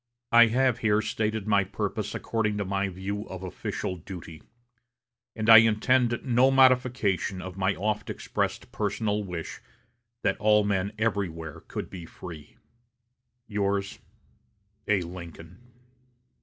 "I have here stated my purpose according to my view of official duty; and I intend no modification of my oft expressed personal wish that all men everywhere could be free. "Yours, "A. LINCOLN."